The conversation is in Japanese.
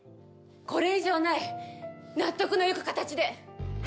これ以上ない納得のいく形で。